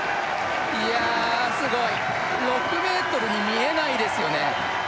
いやすごい６ｍに見えないですよね